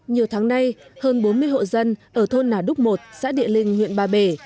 nhiều tháng nay hơn bốn mươi hộ dân ở thôn nà đúc một xã địa linh huyện ba bể